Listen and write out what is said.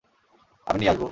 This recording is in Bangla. আমি দিয়ে আসবো।